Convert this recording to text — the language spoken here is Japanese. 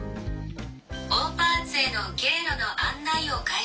「オーパーツへの経路の案内を開始します」。